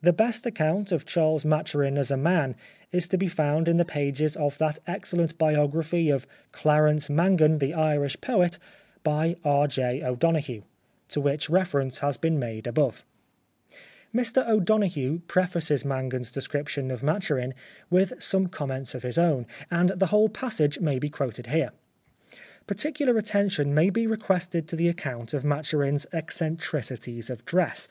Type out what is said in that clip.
The best account of Charles Maturin as a man is to be found in the pages of that excellent biography of " Clarence Mangan, the Irish Poet," by R. J. O'Donoghue, to which reference has been made above. Mr O'Donoghue prefaces Mangan' s description of Maturin with some comments of his own, and the whole passage may be quoted here. Particular attention may be requested to the account of Maturin's ec centricities of dress.